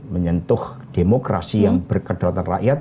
menyentuh demokrasi yang berkedalatan rakyat